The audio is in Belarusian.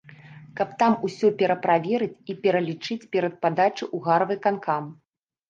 Каб там усё пераправерыць і пералічыць перад падачай у гарвыканкам.